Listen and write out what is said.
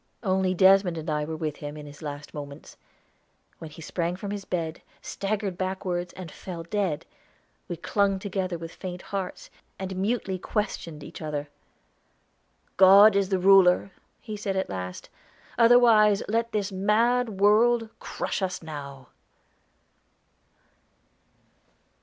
Only Desmond and I were with him in his last moments. When he sprang from his bed, staggered backwards, and fell dead, we clung together with faint hearts, and mutely questioned each other. "God is the Ruler," he said at last. "Otherwise let this mad world crush us now."